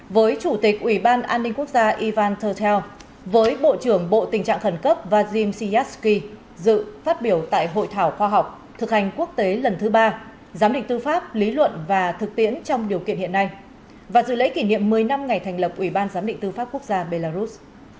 với chủ tịch ủy ban an ninh quốc gia ivan thơ tel với bộ trưởng bộ tình trạng khẩn cấp vazim siyasky dự phát biểu tại hội thảo khoa học thực hành quốc tế lần thứ ba giám định tư pháp lý luận và thực tiễn trong điều kiện hiện nay và dự lễ kỷ niệm một mươi năm ngày thành lập ủy ban giám định tư pháp quốc gia belarus